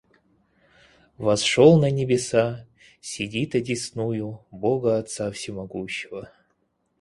восшёл на небеса, сидит одесную Бога Отца всемогущего